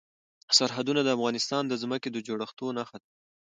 سرحدونه د افغانستان د ځمکې د جوړښت نښه ده.